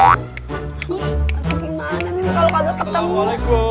aku gimana nih kalau kagak ketemu